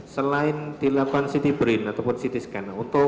selain dilakukan ct brain ataupun ct scan